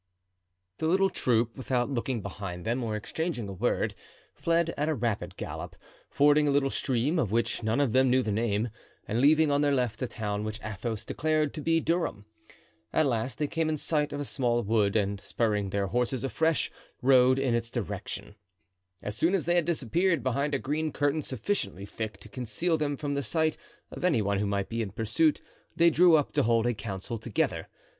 The little troop, without looking behind them or exchanging a word, fled at a rapid gallop, fording a little stream, of which none of them knew the name, and leaving on their left a town which Athos declared to be Durham. At last they came in sight of a small wood, and spurring their horses afresh, rode in its direction. As soon as they had disappeared behind a green curtain sufficiently thick to conceal them from the sight of any one who might be in pursuit they drew up to hold a council together.